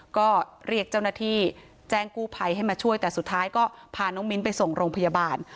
ก็เรียกเจ้าหน้าที่แจ้งกู้ภัยให้มาช่วยแต่สุดท้ายก็พาน้องมิ้นไปส่งโรงพยาบาล